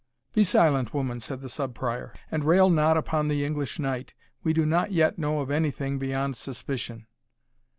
"Be silent, woman," said the Sub Prior, "and rail not upon the English knight; we do not yet know of any thing beyond suspicion."